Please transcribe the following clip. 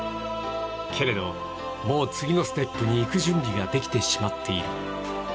けれど、もう次のステップに行く準備ができてしまっている。